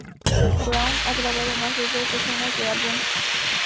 Brown ha grabado más de dos docenas de álbumes.